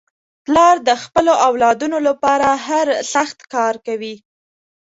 پلار د خپلو اولادنو لپاره هر سخت کار کوي.